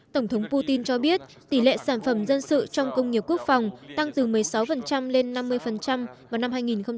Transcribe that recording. tổng thống putin cho biết tỷ lệ sản phẩm dân sự trong công nghiệp quốc phòng tăng từ một mươi sáu lên năm mươi vào năm hai nghìn một mươi năm